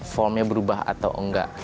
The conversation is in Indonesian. formnya berubah atau enggak